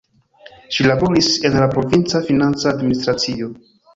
Ŝi laboris en la provinca financa administracio.